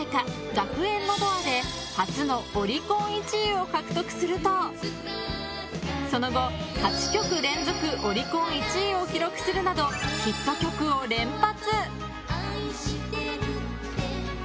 「楽園のＤｏｏｒ」で初のオリコン１位を獲得するとその後、８曲連続オリコン１位を記録するなどヒット曲を連発！